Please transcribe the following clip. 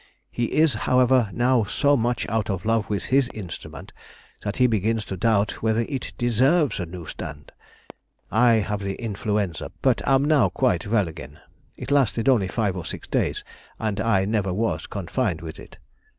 He is, however, now so much out of love with his instrument that he begins to doubt whether it deserves a new stand. I have had the influenza, but am now quite well again. It lasted only five or six days, and I never was confined with it....